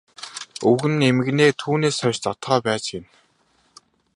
Өвгөн нь эмгэнээ түүнээс хойш зодохоо байж гэнэ.